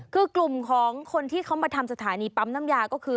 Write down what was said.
คือกลุ่มของคนที่เขามาทำสถานีปั๊มน้ำยาก็คือ